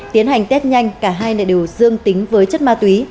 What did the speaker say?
tiến hành test nhanh cả hai đều dương tính với chất ma túy